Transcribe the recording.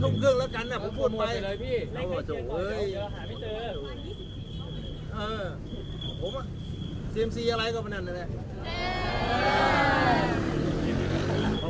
ท่องไหนครับท่องไหนครับท่องไหนครับเดี๋ยวต้องทุ่มเครื่องแล้วกันน่ะ